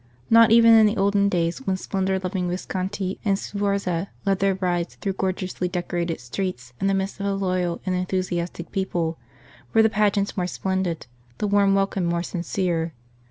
Not even in the olden days, when splendour loving Visconti and Sforza led their brides through gorgeously decorated streets in the midst of a loyal and enthusiastic people, were the pageants more splendid, the warm welcome more sincere.